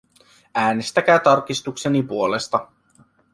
Äänestäkää tarkistukseni puolesta.